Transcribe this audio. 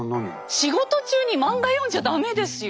仕事中に漫画読んじゃ駄目ですよ。